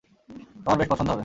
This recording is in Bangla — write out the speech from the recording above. তোমার বেশ পছন্দ হবে।